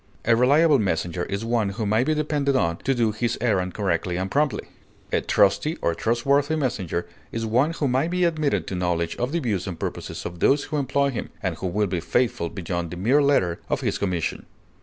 A reliable messenger is one who may be depended on to do his errand correctly and promptly; a trusty or trustworthy messenger is one who may be admitted to knowledge of the views and purposes of those who employ him, and who will be faithful beyond the mere letter of his commission.